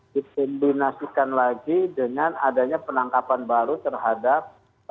dikombinasikan lagi dengan adanya penangkapan baru terhadap